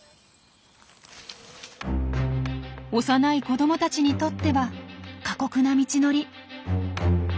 幼い子どもたちにとっては過酷な道のり。